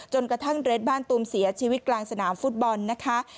กระทั่งเรทบ้านตูมเสียชีวิตกลางสนามฟุตบอลนะคะ